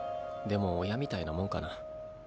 でも親みたいなもんかな。